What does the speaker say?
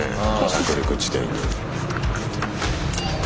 着陸地点に。